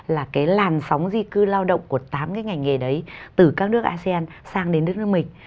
là cái làn sóng di cư lao động của tám cái ngành nghề đấy từ các nước asean sang đến đất nước mình